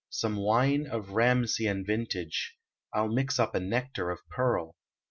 Some wine of Ramesian vintage I ll mix up a nectar of pearl.